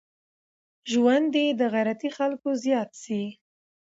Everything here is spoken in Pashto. ژوند دي د غيرتي خلکو زيات سي.